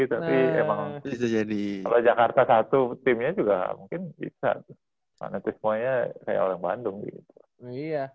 tapi emang kalo jakarta satu timnya juga mungkin bisa